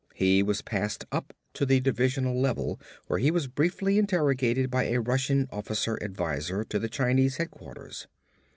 He was passed up to the divisional level where he was briefly interrogated by a Russian officer advisor to the Chinese headquarters.